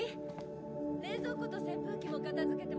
冷蔵庫と扇風機も片づけてもらえる？